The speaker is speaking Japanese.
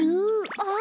あっ！